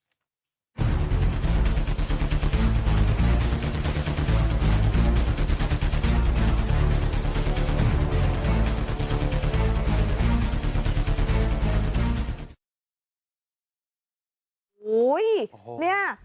โอ้โหเนี่ย